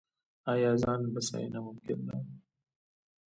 آیا ځان بسیاینه ممکن ده؟